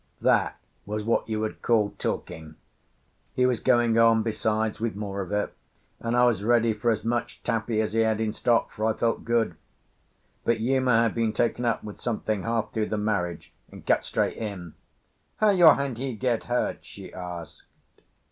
That was what you would call talking. He was going on, besides, with more of it, and I was ready for as much taffy as he had in stock, for I felt good. But Uma had been taken up with something half through the marriage, and cut straight in. "How your hand he get hurt?" she asked.